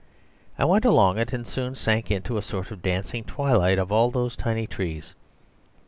I went along it, and soon sank into a sort of dancing twilight of all those tiny trees.